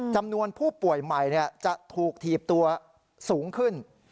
จำนวนผู้ป่วยใหม่จะถูกถีบตัวสูงขึ้น